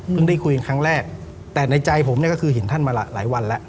ได้คุยครั้งแรกแต่ในใจผมเนี่ยก็คือเห็นท่านมาหลายวันแล้ว